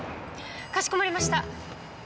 かしこまりました。